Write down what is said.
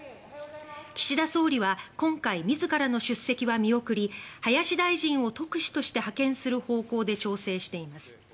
岸田総理は今回自らの出席は見送り林大臣を特使として派遣する方向で調整しています。